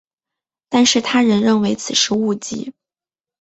但是他人认为此是误记。